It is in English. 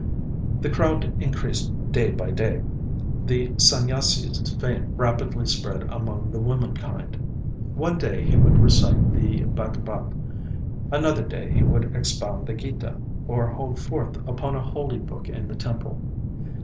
The crowd increased day by day. The Sanyasi's fame rapidly spread among the womenkind. One day he would recite the Bhágbat, another day he would expound the Gita, or hold forth upon a holy book in the temple.